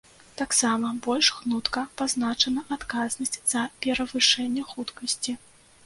Таксама больш гнутка пазначана адказнасць за перавышэнне хуткасці.